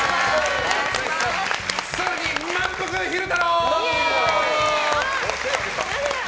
更に、まんぷく昼太郎！